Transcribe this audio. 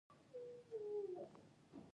دا چاره د توکو د اندازې د زیاتوالي لامل کېږي